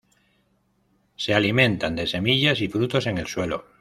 Se alimentan de semillas y frutos en el suelo.